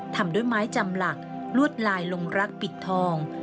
ทำด้วยไม้จำหลักลวดลายลงรักปิดทอง